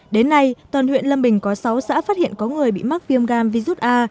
đến nay toàn huyện lâm bình có sáu xã phát hiện có người bị mắc viêm gan virus a